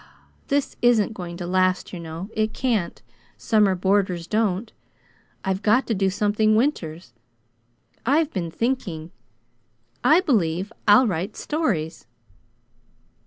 "This isn't going to last, you know. It can't. Summer boarders don't. I've got to do something winters. I've been thinking. I believe I'll write stories."